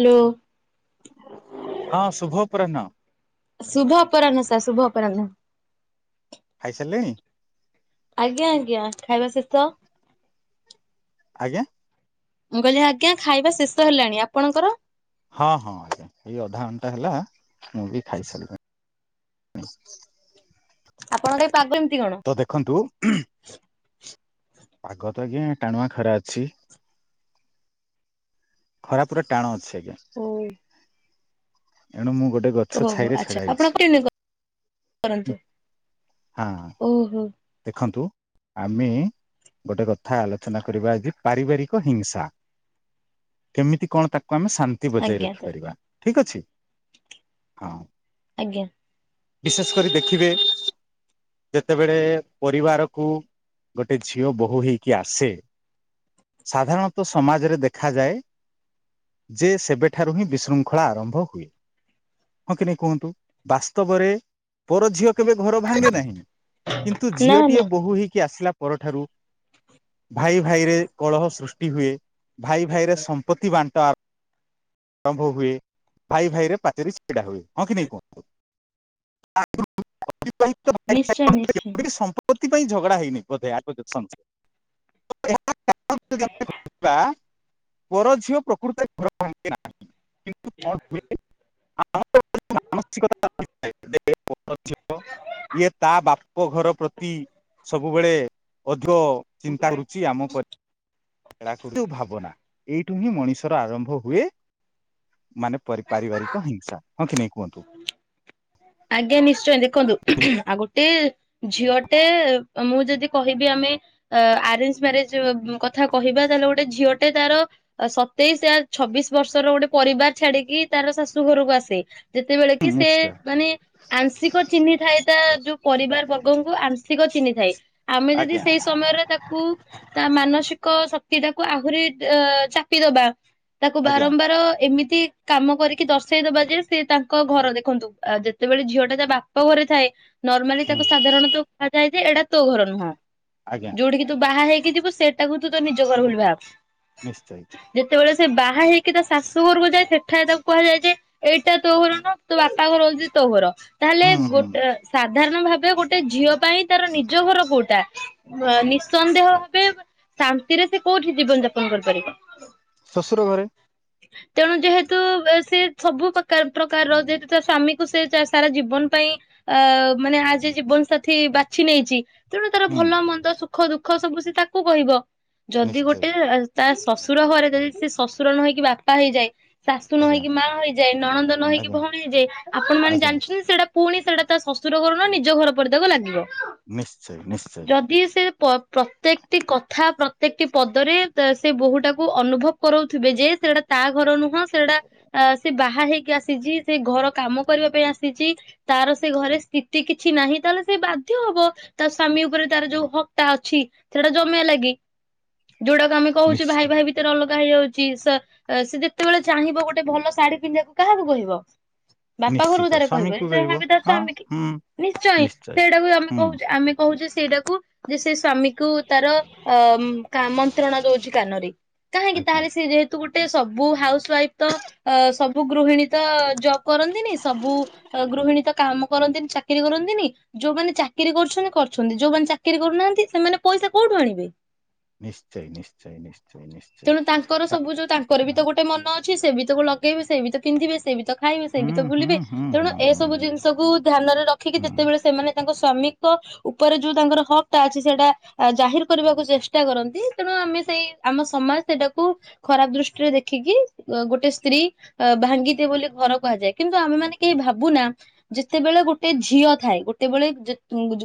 ଲୋ। ହଁ ଶୁଭ ଅପରାହ୍ନ। ଶୁଭ ଅପରାହ୍ନ ସାର୍ ଶୁଭ ଅପରାହ୍ନ। ଖାଇସାରିଲେଣି ଆଜ୍ଞା ଆଜ୍ଞା ଖାଇବା ଶେଷ। ଆଜ୍ଞା? ମୁଁ କହିଲି ଆଜ୍ଞା ଖାଇବା ଶେଷ ହେଲାଣି, ଆପଣଙ୍କର? ହଁ ହଁ ଆଜ୍ଞା ଏଇ ଅଧା ଘଣ୍ଟା ହେଲା ମୁଁ ବି ଖାଇସାରିଲି ଉଁ। ଆପଣଙ୍କ ଏ ପାଗ କେମ ତ ଦେଖନ୍ତୁ ପାଗ ତ ଆଜ୍ଞା ଟାଣୁଆ ଖରା ଅଛି, ଖରା ପୁରା ଟାଣ ଅଛି ଆ ଞା। ହଉ। ଏଣୁ ମୁଁ ଗୋ ଟେ ଗଛ ଓହୋ ହୋ ଛାଇରେ ଆଚ୍ଛା ଛଡା ଆପଣ ହେଇଛି, କଣ୍ଟିନ୍ୟୁ କରନ୍ତୁ ହଁ ଓହୋ ଦେଖନ୍ତୁ ଆମେ ଗୋଟେ କଥା ଆଲୋଚନା କରିବା ଆଜି ପାରିବାରିକ ହିଂସା, କେମିତି କଣ ତା କୁ ଆମେ ଶାନ୍ତି ବଜାଇ ଆଜ୍ଞା ରଖିପାରିବା। ଠିକ୍ ଅଛି। ହଁ। ଆଜ୍ଞା। ବିଶେଷ କରି ଦେଖିବେ ଯେତେବେଳେ ପରିବାରକୁ ଗୋଟେ ଝିଅ ବୋହୂ ହେଇକି ଆସେ, ସାଧାରଣତଃ ସମାଜରେ ଦେଖାଯାଏ ଯେ ସେବେଠାରୁ ହିଁ ବିଶୃଙ୍ଖଳା ଆରମ୍ଭ ହୁଏ। ହଁ କି ନାହିଁ କୁହନ୍ତୁ ବାସ୍ତବରେ ପର ଝିଅ କେବେ ଘର ଭାଙ୍ଗେ ନାହିଁ, କିନ୍ତୁ ନା ଝିଅଟିଏ ନା ବୋହୂ ହେଇକି ଆସିଲା ପରଠାରୁ ଭାଇ ଭାଇରେ କଳହ ସୃଷ୍ଟି ହୁଏ। ଭାଇ ଭାଇରେ ସମ୍ପତ୍ତି ବାଣ୍ଟ ଆ ଆରମ୍ଭ ହୁଏ। ଭାଇ ଭାଇରେ ପାଚେରୀ ଛି ଡା ହୁଏ, ହଁ କି ନାଇଁ କୁହନ୍ତୁ? ଆ [unintelligible] ଏଥିପାଇଁ ତ ଭାଇ ନିଶ୍ଚୟ ଭାଇଙ୍କ ଭିତରେ ନିଶ୍ଚୟ। [unintelligible] ସମ୍ପ କୋଉଥି ପାଇଁ ଝଗଡା ହେଇନି ବୋଧେ ଆଗୁରୁ [unintelligible] ପରଝିଅ ପ୍ରକୃତରେ ଘର ଭାଙ୍ଗେ ନାହିଁ, କି କଣ ହୁଏ [unintelligible] ମାନସିକତା ଭିତେରେ ପରଝିଅ ଇଏ ତା ବାପଘର ପ୍ରତି ସବୁବେଳେ ଓ ଅ ଚିନ୍ତା କରୁଛି ଆମ ବ ହେଳା କରୁ ଯୋଉ ଭାବନା ଏଇଠୁ ହିଁ ମଣିଷର ଆରମ୍ଭ ହୁଏ। ମାନେ ପରି ପାରିବାରିକ ହିଂସା ହଁ କି ନାଇ କୁହନ୍ତୁ? ଆଜ୍ଞା ନିଶ୍ଚୟ ଦେଖନ୍ତୁ ଆଉ ଗୋଟେ ଝିଅଟେ ମୁଁ ଯଦି କହିବି ଆମେ ଅ ଆରେଞ୍ଜ ମ୍ୟାରେଜ କଥା କହିବା ତାହେଲେ ଗୋଟେ ଝିଅଟେ ତାର ସତେଇସି ଆ ଛବିଶ ବର୍ଷର ଗୋଟେ ପରିବାର ଛାଡିକି ତାର ଶାଶୁ ଘରକୁ ଆସେ ଯେତେବେଳେ ହୁଁ କି ସେ ନିଶ୍ଚୟ ମାନେ ଆଂଶିକ ଚିହ୍ନି ଥାଏ ତା ଯୋଉ ପରିବାର ବ ଲୋକଙ୍କୁ ଆଂଶିକ ଚିହ୍ନିଥାଏ ଆମେ ଯଦି ଆଜ୍ଞା ସେଇ ସମୟରେ ତାକୁ ତା ମାନସିକ ସ କଇ ତାକୁ ଆହୁରି ଅ ଚାପିଦବା ତାକୁ ଆଜ୍ଞା ବାରମ୍ବାର ଏମିତି ତି କାମ କରିକି ଦର୍ଶେଇଦବା ଯେ ସେ ତାଙ୍କ ଘର ଦେଖନ୍ତୁ ଆ ଯେତେବେଳେ ଝିଅ ଟା ତା ବାପ ଘରେ ଥାଏ ନର୍ମାଲି ହୁଁ ତାକୁ ସାଧାରଣତ କୁହାଯାଏ ଯେ ଏଇଟା ତୋ ଘର ନୁହଁ ଆଜ୍ଞା ଯୋଉଠିକି ତୁ ବାହା ହେଇକି ଯିବୁ ସେଇଟାକୁ ତୁ ତ ନିଜ ଘର ବୋଲି ଭାବ ନିଶ୍ଚୟ। ଯେତେବେଳେ ସେ ବାହା ହେଇକି ତା ଶାଶୁ ଘରକୁ ଯାଏ ସେଠା ତାକୁ କୁହାଯାଏ ଯେ ଏଇଟା ତୋ ଘର ନୁହଁ ତୋ ବାପ ପା ଘର ହଉଛି ତୋ ଘର। ତାହେଲେ ହୁଁ ହୁଁ। ଗୋଟେ ସା ସାଧାରଣ ଭାବେ ଗୋଟେ ଝିଅ ପାଇଁ ତାର ନିଜ ଘର କୋଉଟା, ବା ନିଃସନ୍ଦେହ ଭାବେ ଶାନ୍ତିରେ ସେ କୋଉଠି ଜୀବନ ଯାପନ କରିପାରିବ। ଶଶୁର ଘରେ। ତେଣୁ ଯେହେତୁ ସେ ସବୁ ପ୍ରକାର ପ୍ରକାରର ଯେହେତୁ ତା ସ୍ଵାମୀକୁ ସେ ସାରା ଜୀବନ ପାଇଁ ଆ ମାନେ ଆଜି ଜୀବନ ସାଥି ବାଛି ନେଇଛି ତେଣୁ ତାର ହୁଁ ଭଲ ମନ୍ଦ, ସୁଖ ଦୁଃଖ ଖ ସବୁ ସେ ତାକୁ କହିବ। ଯଦି ନିଶ୍ଚୟ ଗୋଟେ ତା ଶଶୁର ଘରେ ଯାଇକି ସେ ଶଶୁର ନ ହଇକି ବା ପା ହେଇଯାଏ। ଶାଶୁ ନ ଆଜ୍ଞା ହେଇକି ମା ହୋଇଯାଏ, ନଣନ୍ଦ ନ ହେଇକି ଆଜ୍ଞା ଭଉଣୀ ହେଇଯାଏ, ଆପଣ ମାନେ ଆଜ୍ଞା ଜାଣିଛନ୍ତି ସେଇଟା ପୁଣି ସେଇଟା ତା ଶଶୁର ଘର ନୁହଁ ନିଜ ଘର ପରି ତାକୁ ଲାଗିବ। ନିଶ୍ଚୟ ନିଶ୍ଚୟ। ଯଦି ସେ ପ-ପ୍ରତ୍ୟେକଟି କଥା ପ୍ର ତେକଟି ପଦରେ ତା ସେ ବୋହୂ ଟାକୁ ଅନୁଭବ କରଉଥିବେ ଯେ ସେଇଟା ତା ଘର ନୁହଁ ସେଇଟା ସେ ବା ହା ହେଇକି ଆସିଛି, ସେ ଘର କାମ କରିବା ପାଇଁ ଆସିଛି, ତାର ସେ ଘରେ ସ୍ଥିତି କିଛି ନାହିଁ ତାହେଲେ ସେ ବାଧ୍ୟ ହବ ତା ସ୍ଵାମୀ ଉପରେ ତାର ଯୋଉ ହକ୍ ଟା ଅଛି ସେଇଟା ଜମେଇଆ ଲାଗି। ଯୋଉଟାକୁ ଆମେ କହୁଛେ ନିଶ୍ଚିତ ଭାଇ ଭାଇ ଭିତେରେ ଅଲ କହିଯାଉଛି ସ ସେ ଯେତେବେଳେ ଚାହିଁବ ଗୋଟେ ଭଲ ଶାଢୀ ପିନ୍ଧିବାକୁ କାହାକୁ କହିବ? ବାପା ନିଶ୍ଚିତ ଘରକୁ ତାର ସ୍ଵାମୀକୁ କହିବନି ସେ କହିବ ଭାବେ ତା ହଁ ସ୍ୱାମୀକି ହୁଁ ନିଶ୍ଚୟ ସେଇଟାକୁ ଆମେ ହୁଁ କହୁଛେ ଆମେ କହୁଛେ ସେଇଟାକୁ ଯେ ସେ ସ୍ୱାମୀ କୁ ତାର ଅ କାମନ୍ତ୍ରଣା ଦଉଛି କାନରେ କାହିଁକି ଆଜ୍ଞା ତାହେଲେ ସେ ଯେହେତୁ ଗୋଟେ ସେ ସବୁ ହାଉସ ୱାଇଫ ତ ଅ ସବୁ ଗୃହିଣୀ ତ ଜବ କରନ୍ତିନି ସବୁ ଗୃହିଣୀତ କାମ କରନ୍ତିନି ଚାକିରି କରନ୍ତିନି ଯୋଉମାନେ ଚାକିରି କରୁଛନ୍ତି କରୁଛନ୍ତି ଯୋଉମାନେ ଚାକିରୀ କରୁନାହାନ୍ତି ସେମାନେ ପଇସା କୋଉଠୁ ଆଣିବେ? ନିଶ୍ଚୟ ନିଶ୍ଚୟ ନିଶ୍ଚ ତେଣୁ ତାଙ୍କର ସବୁ ଯୋଉ ତାଙ୍କର ବି ତ ଗୋଟେ ମନ ଅ ସେ ବି ତ କୁ ଲଗେଇବେ ସେ ବି ତ ପିନ୍ଧିବେ ସେ ବି ତ ଖାଇବେ ସେଇ ବି ହୁଁ ତ ହୁଁ ଭୁଲିବେ ହୁଁ ହୁଁ ତେଣୁ ହୁଁ ହୁଁ ଏସବୁ ଜିନିଷକୁ ଧ୍ୟାନରେ ରଖିକି ହୁଁ, ଯେତେବେଳେ ସେମାନେ ତାଙ୍କ ସ୍ୱାମୀ ଉପରେ ଯୋଉ ତାଙ୍କର ହକ୍ ଟା ଅଛି ସେଇଟା ଜାହିର କରିବାକୁ ଚେଷ୍ଟା କରନ୍ତି ତେଣୁ ଆମେ ସେଇ ଆମ ସମାଜ ସେଟାକୁ ଖରାପ ଦୃଷ୍ଟିରେ ଦେଖିକି ଗୋଟେ ସ୍ତ୍ରୀ ଭାଙ୍ଗିଦିଏ ବୋଲି ଘର କୁହାଯାଏ କିନ୍ତୁ ଆମେ ମାନେ କେହି ଭାବୁନା ଯେତେବେଳେ ଗୋଟେ ଝିଅ ଥାଏ ଗୋଟେବେଳେ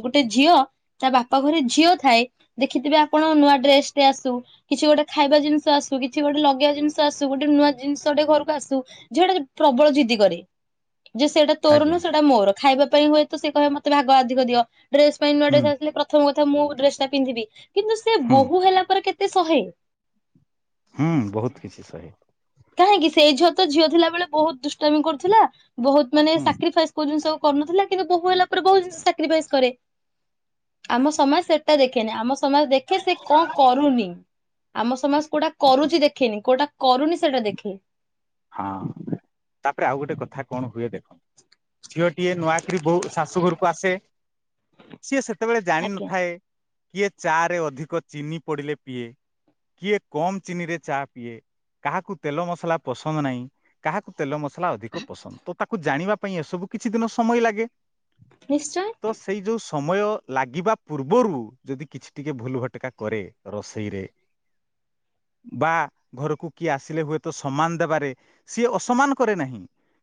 ଗୋଟେ ଝିଅ ତା ବାପା ଘରେ ଝିଅ ଥାଏ ଦେଖିଥିବେ ଆପଣ ନୂଆ ଡ୍ରେସଟେ ଆସୁ କିଛି ଗୋଟେ ଖାଇବା ଜିନିଷ ଆସୁ କିଛି ଗୋଟେ ଲଗେଇବା ଜିନିଷ ଆସୁ ଗୋଟେ ନୂଆ ଜିନିଷ ଗୋଟେ ଘରକୁ ଆସୁ ଝିଅଟା ପ୍ରବଳ ଜିଦ୍ଧି କରେ ଯେ ସେଇଟା ତୋର ଆଜ୍ଞା ନୁହେଁ ସେଇଟା ମୋର ଖାଇବା ପାଇଁ ହୁଏ ତ ସେ କହିବ ମତେ ଭାଗ ଅଧିକ ଦିଅ ଡ୍ରେସ ପାଇଁ ନୂଆ ହୁଁ ଡ୍ରେସ ଆସିଲେ ପ୍ରଥମ କଥା ମୁଁ ଡ୍ରେସ ଟା ପିନ୍ଧିବି କିନ୍ତୁ ସେ ହୁଁ ବୋହୁ ହେଲା ପରେ କେତେ ସେ ସହେ ହୁଁ ବହୁତ କିଛି ସହେ କାହିଁକି ସେଇ ଝିଅ ତ ଝିଅ ଥିଲା ବେଳେ ବହୁତ ଦୁଷ୍ଟାମି କରୁଥିଲା ବହୁତ ମାନେ ହୁଁ ସାକ୍ରିଫାଇସ୍ କରୁଚନ୍ତି ସବୁ କରୁନଥିଲା କିନ୍ତୁ ବୋଉ ହେଲା ପରେ ବହୁତ ଜିନିଷ ସାକ୍ରିଫାଇସ କରେ ଆମ ସମାଜ ସେଟା ଦେଖେନି ଆମ ସ ସମଜ ଦେଖେ ସେ କଣ କରୁନି ଆମ ସମାଜ କୋଉଟା କରୁଚି ଦେଖିନି କୋଉଟା କରୁନି ସେଟା ଦେଖେ। ହଁ ତାପରେ ଆଉ ଗୋଟେ କଥା କଣ ହୁଏ ଦେଖ ଝିଅଟିଏ ନୂଆକିରି ବହୁ ଶାଶୁ ଘରକୁ ଆସେ ସିଏ ସେ ତେବେଳେ ଆଜ୍ଞା ଜାଣିନଥାଏ କିଏ ଚା ରେ ଅଧିକ ଚିନି ପଡ଼ିଲେ ପିଏ କିଏ କମ୍ ଚିନିରେ ଚା ପିଏ କାହାକୁ ତେଲ ମସଲା ପସନ୍ଦ ନାହିଁ କାହାକୁ ତେଲ ମସଲା ଅଧିକ ପସନ୍ଦ ତ ତାକୁ ଜାଣିବା ପାଇଁ ଏସବୁ କିଛି ଦିନ ସମୟ ଲାଗେ ନିଶ୍ଚୟ ତ ସେଇ ଯୋଉ ସ ସମୟ ଲାଗିବା ପୂର୍ବରୁ ଯଦି କିଛି ଟିକେ ଭୁଲ ଭଟକା କରେ ରୋଷେଇରେ ବା ଘରକୁ କିଏ ଆସିଲେ ହୁଏତ ସମାନ ଦେବାରେ ସି ଅସମାନ କରେ ନାହିଁ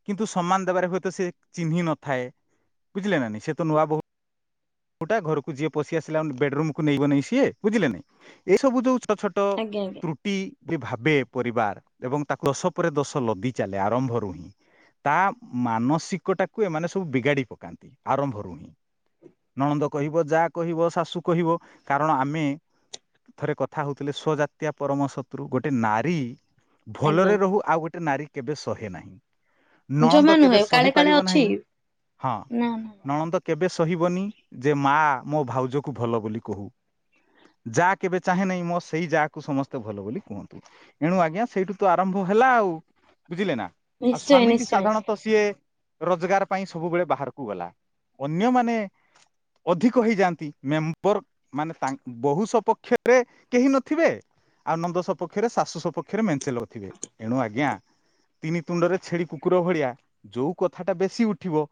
କିନ୍ତୁ ସମାନ ଦେବାରେ ହୁଏତ ସ ଚିହ୍ନି ନଥାଏ ବୁଝିଲେ ନେ ନାହିଁ ସେ ତ ନୂଆ ବୋହୁ ହୁଟା ଘରକୁ ଯିଏ ପଶି ଆସିଲା ବେଡରୁୁମକୁୁ ନେଇବନେଇ ସିଏ ବୁଝିଲେ ଲେ ନାଇଁ ଏସବୁ ଯୋଉ ଛୋଟ ଛୋଟ ଆଜ୍ଞା ଆଜ୍ଞା ତ୍ରୁଟି ଯେ ଭାବେ ପରିବାର ଏବଂ ତାକୁ ଦୋଷ ପରେ ଦୋଷ ଲଦି ଚାଲେ ଆରମ୍ଭରୁ ହିଁ ତା ମାନସିକ ଟାକୁ ଏମାନେ ସବୁ ବିଗାଡି ପକାନ୍ତି ଆରମ୍ଭରୁ ହିଁ ନଣନ୍ଦ କହିବ ଜା କହିବ ଶାଶୁ କହିବ କାରଣ ଆମେ ଥରେ କଥା ହଉଥିଲେ ସ୍ଵଜାତୀୟା ପରମ ଶତ୍ରୁ ଗୋଟେ ନାରୀ ଆଜ୍ଞା ଭଲରେ ରହୁ ଆଉ ଗୋ ଟେ ନାରୀ କେବେ ସହେ ନାହିଁ। ଜମା ନଣନ୍ଦ କେବେ ନୁହେଁ କାଳେ କାଳେ ସହିପାରିବ ଅଛି ନାହିଁ ହଁ ନା ନା ନା। ନଣନ୍ଦ କେବେ ସହିବନି ଯେ ମା ମୋ ଭାଉଜକୁ ଭଲ ବୋଲି କହୁ ଯାଆ କେବେ ଚାହେଁ ନେଇ ମୋ ସେଇ ଯାହାକୁ ସମସ୍ତେ ଭଲ ବୋଲି କୁହନ୍ତୁ ଏଣୁ ଆଜ୍ଞା ସେଇଠୁ ତ ଆରମ୍ଭ ହେଲା ଆଉ ବୁଝିଲେ ନା ଆଉ ନିଶ୍ଚୟ ସ୍ଵାମୀଟି ନିଶ୍ଚୟ ସାଧାରଣତଃ ସିଏ ରୋଜଗାର ପାଇଁ ସବୁବେଳେ ବାହାରକୁ ଗଲା ଅନ୍ୟମାନେ ଅଧିକ ହେଇଯାଆନ୍ତି ମେମ୍ବର ମାନେ ତାଙ୍କ ବୋହୂ ସପକ୍ଷରେ କେହି ନଥିବେ ଆଉ ନନ୍ଦ ସପକ୍ଷରେ ଶାଶୁ ସପକ୍ଷରେ ମେଞ୍ଚେ ଲୋକ୍ ଥିବେ ଏଣୁ ଆଜ୍ଞା ତିନି ତୁଣ୍ଡରେ ଛେଳି କୁକୁର ଭଳିଆ ଯୋଉ କଥାଟା ବେଶୀ ଉଠିବ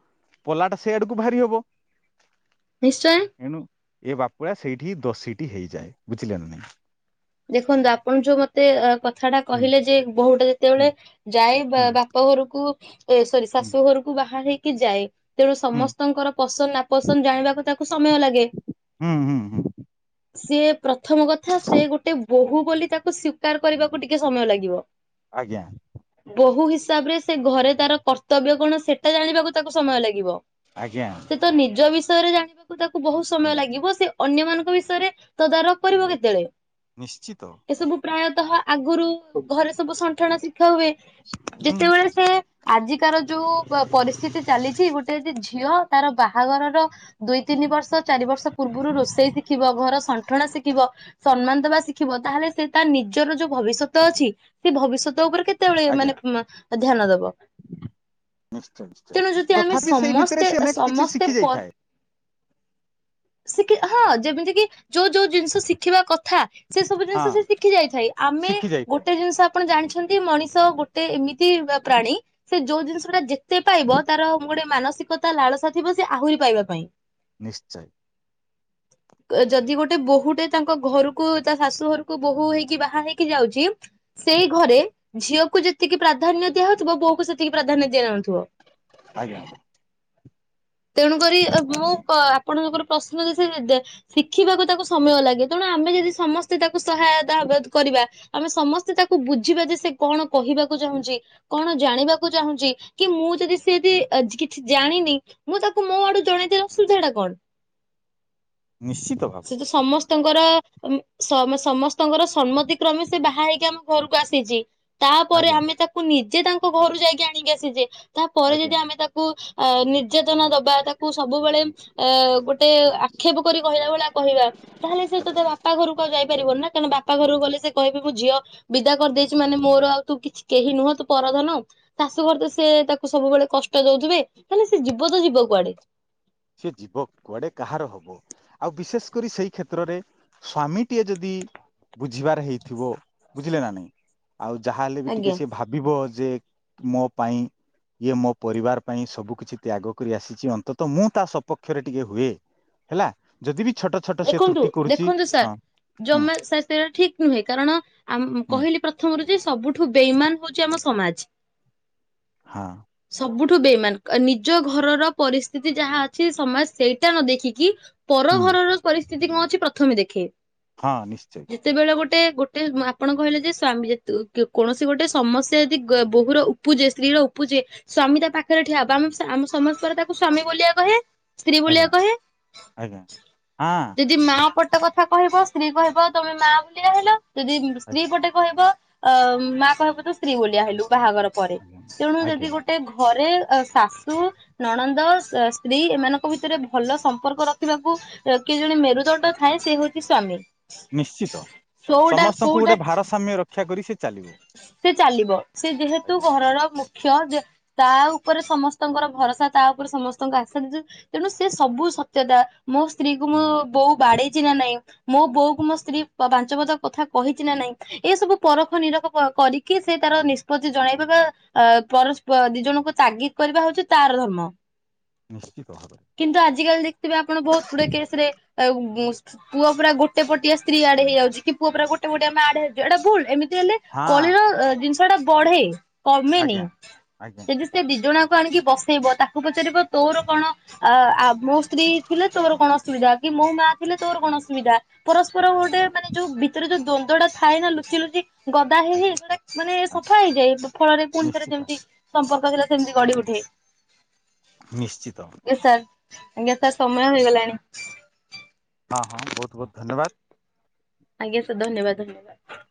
ପଲାଟା ସେଇ ଆଡକୁ ଭାରି ହବ। ନିଶ୍ଚୟ। ଏଣୁ ଏ ବାପୁଳା ସେଇଠି ହି ଦଷୀଟି ହେଇଯାଏ ବୁଝିଲେ ନା ନାଇଁ। ଦେଖନ୍ତୁ ଆପଣ ଯୋଉ ମତେ କଥାଟା ହୁଁ କହିଲେ ଯେ ବୋହୂଟେ ହୁଁ ଯେତେବେଳେ ଯାଏ ବା ହୁଁ ବାପ ଘରକୁ [unintelligible] ଏ ସରି ହୁଁ ଶାଶୁ ଘରକୁ ବାହା ହେଇକି କି ଯାଏ ତେଣୁ ହୁଁ ସମସ୍ତଙ୍କର ପସନ୍ଦ ନାପସନ୍ଦ ଜାଣିବାକୁ ତାକୁ ସମୟ ଲାଗେ ହୁଁ ହୁଁ ହୁଁ ସିଏ ପ୍ରଥମ କଥା ସେ ଗୋ ବୋହୂ ବୋଲି ତାକୁ ସ୍ବୀକାର କରିବାକୁ ଟିକେ ସମୟ ଲାଗିବ। ଆଜ୍ଞା ବୋହୂ ହିସ୍ ହିସାବରେ ସେ ଘରେ ତାର କର୍ତ୍ତବ୍ୟ କଣ ସେଟା ଜାଣିବାକୁ ତାକୁ ସମୟ ଲାଗିବ ଆଜ୍ଞା ସେ ତ ନିଜ ବିଷୟ ବିଷୟରେ ଜାଣିବାକୁ ତାକୁ ବହୁତ ସମୟ ଲାଗିବ ସେ ଅନ୍ୟ ମାନଙ୍କ ବିଷୟରେ ତଦାରଖ କରିବ କେତେବେଳେ? ନିଶ୍ଚିତ ଏସବୁ ପ୍ରାୟତଃ ଆଗରୁ ଘରେ ସବୁ ସଣ୍ଠଣା ଶି ହୁଏ ହୁଁ ଯେତେବେଳେ ସେ ଆଜିକାର ଯୋଉ ପ ପରିସ୍ଥିତି ଚାଲିଚି ଗୋଟେ ଯେ ଝିଅ ତାର ବାହାଗରର ଦୁଇ ତିନି ବର୍ଷ ଚାରି ବର୍ଷ ପୂର୍ବରୁ ରୋଷେଇ ଶିଖିବ ଘର ଶଣ୍ଠଣା ଶିଖିବ। ସମ୍ମାନ ଦବା ଶିଖିବ ତାହେଲେ ସେ ତା ନିଜର ଯୋଉ ଭବିଷ୍ୟତ ଅଛି ସେ ଭବିଷ୍ୟତ [unintelligible] ଉପରେ କେତେବେଳେ ଆଜ୍ଞା ମାନେ ମା ଧ୍ୟାନ ଦବ ନିଶ୍ଚୟ ନିଶ୍ଚୟ ତେଣୁ ଯଦି ଆମେ ତଥାପି ସେଇ ଭିତରେ ସମସ୍ତେ ସେ ଅନେକ କିଛି ସମସ୍ତେ ଶିଖି ପ ଯାଇଥାଏ ଶିକି ହଁ ଯେମିତି କି ଯୋଉ ଯୋଉ ଜିନିଷ ଶିକି ଥିବା କ ଥା ସେ ସବୁ ହଁ ଜିନିଷ ସେ ଶିଖି ଯାଇଥାଏ ଆମେ ଶିଖି ଯାଇଥାଏ ଗୋଟେ ଜିନିଷ ଆପଣ ଜାଣିଛନ୍ତି ମଣିଷ ଗୋଟେ ଏମିତି ପ୍ରାଣୀ ସେ ଯଉ ଜିନିସଟା ଜେ ସେ ପାଇବ ତାର ଗୋଡେ ମାନସିକତା ଲାଳସା ଥିବ ସେ ଆହୁରି ପାଇବା ପାଇଁ ନିଶ୍ଚୟ ଯଦି ଗୋଟେ ବୋହୁଟେ ତାଙ୍କ ଘରକୁ ତା ଶାଶୁ ଘରକୁ ବୋହୂ ହେଇକି ବାହା ହେଇକି ଯାଉଛି। ସେଇ ଆଜ୍ଞା ଘରେ ଝିଅ ଙ୍କୁ ଯେତିକି ପ୍ରାଧାନ୍ୟ ଦିଆ ହଉ ଥିବ ବୋଉକୁ ସେତିକି ପ୍ରାଧାନ୍ୟ ଦିଆ ଯାଉନଥିବ ଆଜ୍ଞା ତେଣୁକରି ମୁଁ ଆପଣଙ୍କର ପ୍ରଶ୍ନ [unintelligible] ଶିଖିବାକୁ ତାକୁ ସମୟ ଲାଗେ ତେଣୁ ଆମେ ଯଦି ସମସ୍ତେ ତାକୁ ସହାୟତା ହାବାଦ କରିବା ଆମେ ସମସ୍ତେ ତାକୁ ବୁଝିବା ଯେ ସେ କଣ କହିବାକୁ ଚାହୁଁଛି କଣ ଜାଣିବାକୁ ଚାହୁଁଛି କି ମୁଁ ଯଦି ସେ ଯଦି କିଛି ଜାଣିନି ମୁଁ ତାକୁ ମୋ ଆଡୁ ଜଣେଇ ଦେବାର ଅସୁବିଧା ଟା କଣ ନିଶ୍ଚିତ ଭାବେ ତାଙ୍କର ଅମ୍ ସମ ସମସ୍ତଙ୍କର ସମ୍ମତି କ୍ରମେ ସେ ବାହା ହେଇକି ଆମ ଘରକୁ ଆସିଛି ତାପରେ ଆଜ୍ଞା ଆମେ ତାକୁ ନି ଯେଏ ତାଙ୍କ ଘରୁ ଯାଇକି ଆଣିକି ଆସିଛି ତାପରେ ଆଜ୍ଞା ଯଦି ଆମେ ତାକୁ ଆ [unintelligible] ସଚେତନା ଦବା ତାକୁ ସବୁବେଳେ ଅ ଗୋଟେ ଆକ୍ଷେପ କରି କହିଲିବା ଭଳିଆ କହିବା ସେତ ଆଜ୍ଞା ବାପା ଘରକୁ ଆଉ ଯାଇପାରିବନି ନା ତେଣୁ ବାପା ଘରକୁ ଗଲେ ସେ କହିବେ ମୁଁ ଝିଅ ବିଦା କରିଦେଇଛି ମାନେ ମୋର ଆଉ ତୁ କିଛି କେହି ନୁହଁ ତୁ ପରଧନ ଶାଶୁ ଘରେ ତ ସେ ତାକୁ ସବୁବେଳେ କଷ୍ଟ ଦଉଥିବେ ହିଲେ ସେ ଯିବ ତ ଯିବ କୁଆଡେ ସେି ଯିବ କୁଆଡେ କାହାର ହବ ଆଉ ବିଶେଷ କରି ସେଇ କ୍ଷେତ୍ରରେ ସ୍ଵାମୀଟିଏ ଯଦି ବୁଝିବାର ହେଇଥିବ ବୁଝିଲେ ନା ନାଇଁ ଆଉ ଯାହାହଲେ ବି ଆଜ୍ଞା। ଟିକେ ସିଏ ଭାବିବ ଯେ ମୋ ପାଇଁ ଇଏ ମୋ ପରିବାର ପାଇଁ ସବୁ କିଛି ତ୍ୟାଗ କରି ଆସିଚି ଅନ୍ତତଃ ମୁଁ ତା ସପକ୍ଷରେ ଟିକେ ହୁଏ ହେଲା ଯଦି ବି ଛୋଟ ଛୋଟ ସେ ଦେଖନ୍ତୁ ତ୍ରୁଟି କରୁଛି ଦେଖନ୍ତୁ ସାର୍ ହଁ ହୁଁ ଜମା ସାର ସେଟା ଠିକ ନୁହେଁ କାରଣ ଆମ ହୁଁ କହିଲି ପ୍ରଥମରୁ ଯେ ସବୁଠୁ ବେଇମାନ ହଉଚି ଆମ ସମାଜ। ହଁ। ଠୁ ବାଇମାନ ନିଜ ଘରର ପରିସ୍ଥିତି ଯାହା ଅଛି ସମାଜ ସେଇଟା ନ ଦେଖିକି ପର ହୁଁ ଘରର ପରିସ୍ଥିତି କଣ ଅଛି ପ୍ରଥମେ ଦେଖେ ହଁ ନିଶ୍ଚୟ। ଯେତେବେଳେ ଗୋଟେ ଗୋଟେ ଆପଣ କହିଲେ ଯେ ସ୍ଵାମୀ କୌଣସି ଗୋଟେ ସମସ୍ୟା ଯଦି ବୋହୂ ର ଉପୁଜେ ସ୍ତ୍ରୀ ର ଉପୁଜେ ସ୍ଵାମୀ ତା ପାଖରେ ଠିଆ ବା ଆମ ଆମ ସମସ୍ତରେ ତାକୁ ସ୍ଵାମୀ ବୋଲିଆ କହିଆ। ସ୍ତ୍ରୀ ବୁଲିଆ ଆଜ୍ଞା କହିବେ। ଆଜ୍ଞା ହଁ ଯଦି ମା ପ ସତ କଥା କହିବ ସ୍ତ୍ରୀ କହିବ ତମେ ମା ବୋଲିଆ ହେଲ। ଯଦି ସ୍ତ୍ରୀ ଆଜ୍ଞା ପଟେ କହିବ ଅ ମା କହିବ ତ ସ୍ତ୍ରୀ ବୋଲିଆ ହେଲୁ। ବାହାଘର ପରେ ଆଜ୍ଞା ତେଣୁ ଯଦି ଆଜ୍ଞା ଗୋଟେ ଘ ରେ ଶାଶୁ ନଣନ୍ଦ ସ୍ତ୍ରୀ ଏମାନଙ୍କ ଭିତରେ ଭଲ ସମ୍ପର୍କ ରଖିବାକୁ କିଏ ଜଣେ ମେ ମୁରୁଦଣ୍ଡ ଥାଏ ସେ ହଉଛି ସ୍ଵାମୀ ନିଶ୍ଚିତ କୋଉଟା ସମସ୍ତଙ୍କୁ ଗୋଟେ କୋଉଟା ଭାରସାମ୍ୟ ରକ୍ଷା କରି ଚାଲିବ ସେ ଚାଲିବ ସେ ଯେହେତୁ ଆଜ୍ଞା ଘରର ମୁଖ୍ୟ ତା ଉପରେ ସମସ୍ତଙ୍କର ଭରସା ତା ଉପରେ ସମସ୍ତଙ୍କ ଆଶା ଦ ତେଣୁ ସେ ସବୁ ସତ୍ୟତା ମୋ ସ୍ତ୍ରୀ କ ମୁଁ ବୋଉ ବାଡେଇଛି ନା ନାହିଁ ମୋ ବୋଉ କୁ ମୋ ସ୍ତ୍ରୀ ପାଞ୍ଚପଦ କଥା କହିଛି ନା ନାହିଁ ଏ ସବୁ ପରଖ ନିରଖ କରିକି ସେ ତାର ନିଷ୍ପତି ଜଣେଇବା ବା ପରସ୍ ଦି ଜଣଙ୍କୁ ତାଗିଦ କରିବା ହଉଛି ତାର ଧର୍ମ। ନିଶ୍ଚିତ ଭାବ ରେ ଆଜିିକାଲି ବେ ଆପଣ ବହୁତ ଗୁଡେ କେସ ରେ ଆଉ ପୁଅ ପୁରା ଗୋଟେ ପଟଟିଆ ସ୍ତ୍ରୀ ଆଡେ ହେଇଯାଉଛି କି ପୁଅ ପୂରା ଗୋଟେ ପଟଆ ଆମେ ଆଡେ ହେଉଛୁ ଏଇଟା ଭୁଲ ଏମତି ହେଲେ ହଁ କଳିର ଜିନିଷ ସେଟା ବଢେ। କମେନି ଆଜ୍ଞା ଆଜ୍ଞା ଯଦି ସେ ଦି ଜଣ ଆଣିକି ବସେଇବ ତାକୁ ପଚାରିବ ତୋର କଣ ମୋ ସ୍ତ୍ରୀ ଥିଲେ ତୋର କଣ ଅସୁବିଧା କି ମୋ ମା ଥିଲେ ତୋର କଣ ଅସୁବିଧା। ପରସ୍ପର ଆଜ୍ଞା ଗୋଟେ ମାନେ ଯୋଉ ଭିତରେ ଯୋଉ ଦ୍ୱନ୍ଦଟା ଥାଏ ନା ଲୁଚି ଲୁଚି ତା ହେଇରେ ଆଜ୍ଞା ଏଗୁଡା ମାନେ ଆଜ୍ଞା ସଫା ହେଇଯାଏ ଫଳରେ ପୁଣି ଥରେ ନିଶ୍ଚିତ ଯେମିତି ସମ୍ପର୍କ ଥିଲା ସେମିତି ଗଢି ଉଠେ। ନିଶ୍ଚିତ। ୟେସ୍ ସାର୍ ଆଜ୍ଞା ତା ସମୟ ହେଇଗଲାଣି। ହଁ ହଁ ବହୁତ ବହୁତ ଧନ୍ୟବାଦ। ଆଜ୍ଞା ସାର୍ ଧନ୍ୟବାଦ ଧନ୍ୟବାଦ।